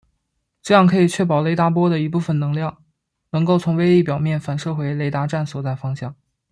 这样可以确保雷达波的一部分能量能够从微粒表面反射回雷达站所在方向。